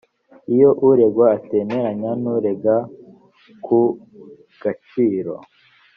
iyo uregwa atemeranya n urega ku gaciro